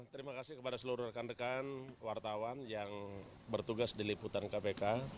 terima kasih kepada seluruh rekan rekan wartawan yang bertugas di liputan kpk